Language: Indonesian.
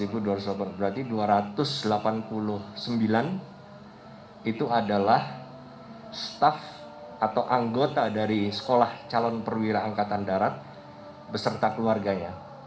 berarti dua ratus delapan puluh sembilan itu adalah staff atau anggota dari sekolah calon perwira angkatan darat beserta keluarganya